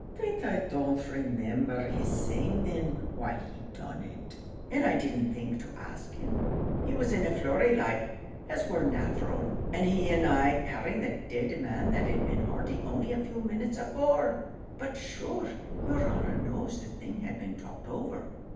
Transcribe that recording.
"Faix I don't remember his saying thin why he'd done it and I didn't think to ask him. He was in a flurry like, as war nathural, and he and I carrying the dead man that'd been hearty only a few minutes afore! But shure, yer honour knows the thing had been talked over."